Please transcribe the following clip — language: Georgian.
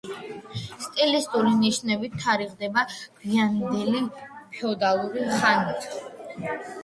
სტილისტური ნიშნებით თარიღდება გვიანდელი ფეოდალური ხანით.